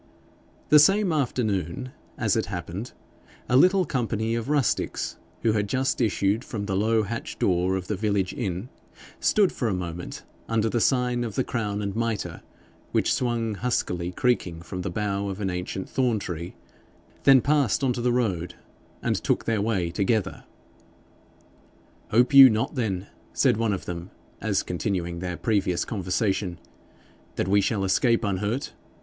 The same afternoon, as it happened, a little company of rustics, who had just issued from the low hatch door of the village inn, stood for a moment under the sign of the Crown and Mitre, which swung huskily creaking from the bough of an ancient thorn tree, then passed on to the road, and took their way together. 'Hope you then,' said one of them, as continuing their previous conversation, 'that we shall escape unhurt?